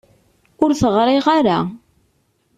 Ur t-ɣriɣ ara.